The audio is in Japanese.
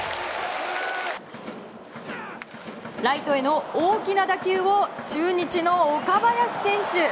ライトへの大きな打球を中日の岡林選手。